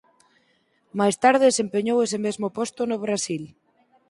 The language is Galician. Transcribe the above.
Máis tarde desempeñou ese mesmo posto no Brasil.